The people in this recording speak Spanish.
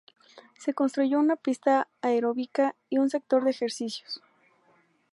Se construyó una pista aeróbica y un sector de ejercicios.